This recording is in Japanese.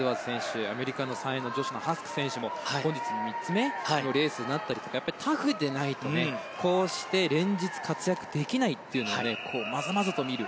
アメリカの３泳、女子のハスク選手も本日３つ目のレースになったりタフでないと、こうして連日活躍できないっていうのをまざまざと見る。